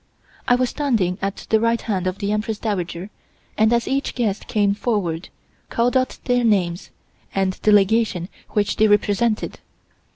I was standing at the right hand of the Empress Dowager and as each guest came forward, called out their names, and the Legation which they represented.